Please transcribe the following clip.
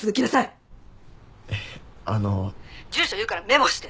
「住所言うからメモして！」